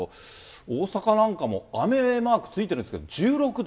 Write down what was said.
大阪なんかも雨マークついてるんですけど、１６度。